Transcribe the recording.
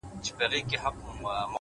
هر منزل د بل منزل لار هواروي’